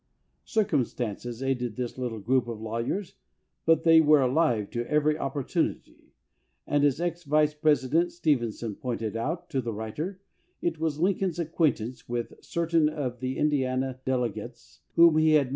Circumstances aided this little group of law yers, but they were alive to every opportunity, and, as ex Vice President Stevenson pointed out to the writer, it was Lincoln's acquaintance with certain of the Indiana delegates whom he had met 'See foot note, page 261.